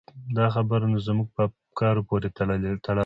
دا خبره نو زموږ په افکارو پورې تړاو لري.